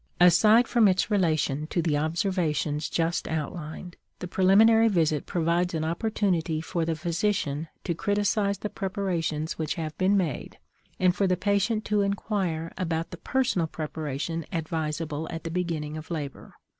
Aside from its relation to the observations just outlined, the preliminary visit provides an opportunity for the physician to criticize the preparations which have been made, and for the patient to inquire about the personal preparation advisable at the beginning of labor.